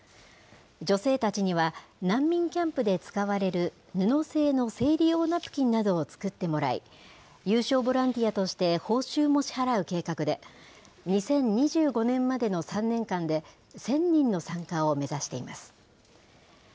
女性たちには、難民キャンプで使われる布製の生理用ナプキンなどを作ってもらい、有償ボランティアとして報酬も支払う計画で、２０２５年までの３年間で、１０００人の参加を目指しています。